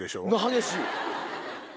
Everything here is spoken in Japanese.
激しい。